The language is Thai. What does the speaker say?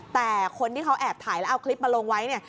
แต่คนที่เขาแอบถ่ายแล้วเอาคลิปมาลงไว้เนี่ย